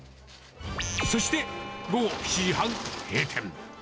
そして、午後７時半、閉店。